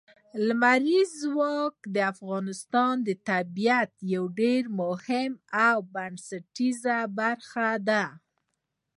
لمریز ځواک د افغانستان د طبیعت یوه ډېره مهمه او بنسټیزه برخه ده.